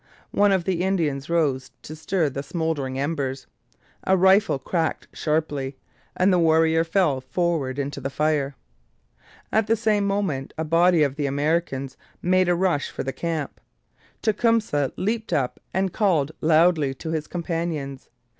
One of the Indians rose to stir the smouldering embers. A rifle cracked sharply, and the warrior fell forward into the fire. At the same moment a body of the Americans made a rush for the camp. Tecumseh leaped up and called loudly to his companions.